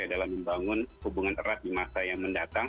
dalam membangun hubungan erat di masa yang mendatang